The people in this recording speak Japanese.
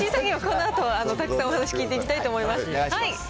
石井さんにはこのあとたくさんお話聞いていきたいと思います。